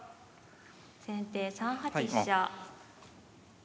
先手３八飛車。